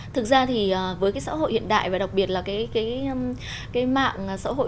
thực ra thì với cái xã hội hiện đại và đặc biệt là cái mạng xã hội